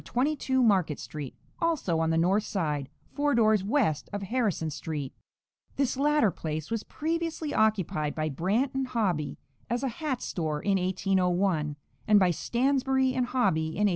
22 Market street, also on the north side, four doors west of Harrison street; this latter place was previously occupied by Brant & Hobby as a hat store in 1801, and by Stansbury & Hobby in 1802.